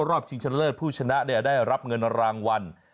ชิงชะเลิศผู้ชนะได้รับเงินรางวัล